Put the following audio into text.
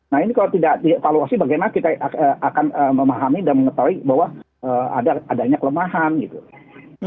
nah ini kalau tidak dievaluasi bagaimana kita akan memahami dan mengetahui bahwa adanya kelemahan gitu